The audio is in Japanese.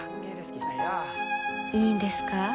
いいんですか？